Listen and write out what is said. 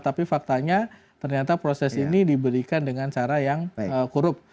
tapi faktanya ternyata proses ini diberikan dengan cara yang korup